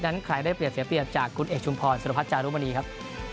นั้นใครได้เปลี่ยนเสียเปลี่ยนจากคุณเอกชุมพรสุรพัชย์จารุมณีครับ